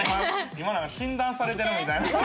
今なんか診断されてるみたいな。